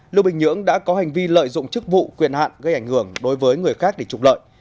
lưu bình nhưỡng đã có hành vi lợi dụng chức vụ quyền hạn gây ảnh hưởng đối với người khác để trục lợi